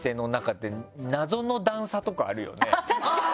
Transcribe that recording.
確かに！